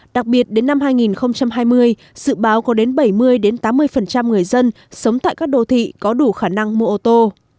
đặc biệt đến năm hai nghìn hai mươi dự báo có đến bảy mươi tám mươi người dân sống tại các đô thị có đủ khả năng mua ô tô